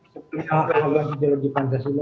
seperti hal hal ideologi pancasila